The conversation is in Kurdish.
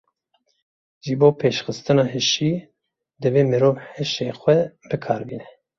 Ji bo pêşxistina hişî, divê mirov hişê xwe bi kar bîne.